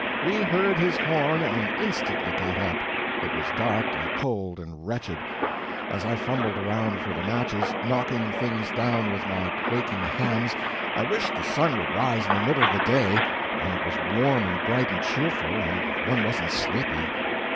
We heard his horn and instantly got up. It was dark and cold and wretched. As I fumbled around for the matches, knocking things down with my quaking hands, I wished the sun would rise in the middle of the day, when it was warm and bright and cheerful, and one wasn't sleepy.